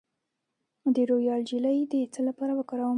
د رویال جیلی د څه لپاره وکاروم؟